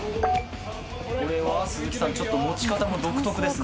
これは鈴木さん持ち方も独特ですね